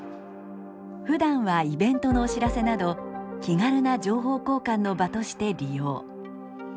ふだんはイベントのお知らせなど気軽な情報交換の場として利用。